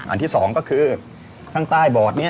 อันที่๒ก็คือข้างใต้บอร์ด